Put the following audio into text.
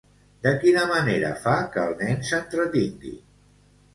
De quina manera fa que el nen s'entretingui?